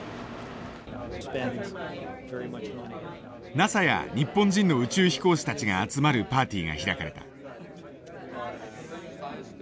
ＮＡＳＡや日本人の宇宙飛行士たちが集まるパーティーが開かれた。